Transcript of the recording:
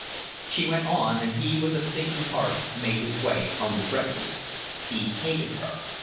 She went on, and he with a sinking heart made his way home to breakfast. He hated her.